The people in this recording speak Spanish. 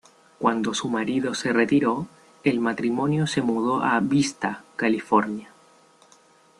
Cuando su marido se retiró, el matrimonio se mudó a Vista, California.